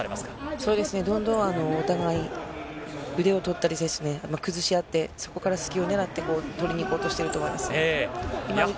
そうですね、どんどんお互い、腕を取ったりですね、崩しあって、そこから隙を狙って取りにいこうとしていると思います。